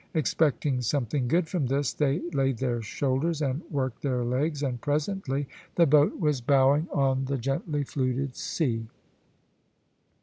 Expecting something good from this, they laid their shoulders, and worked their legs, and presently the boat was bowing on the gently fluted sea.